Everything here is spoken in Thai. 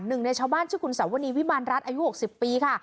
หนึ่งในชาวบ้านชื่อคุณสวนีวิมารรัฐอายุ๖๐ปีค่ะ